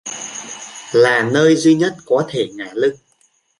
Là nơi duy nhất có thể ngả lưng